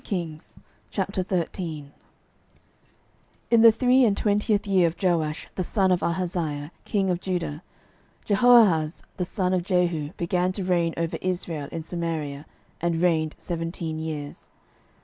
12:013:001 In the three and twentieth year of Joash the son of Ahaziah king of Judah Jehoahaz the son of Jehu began to reign over Israel in Samaria, and reigned seventeen years.